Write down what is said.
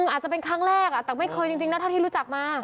อาจจะเป็นครั้งแรกแต่ไม่เคยจริงนะเท่าที่รู้จักมา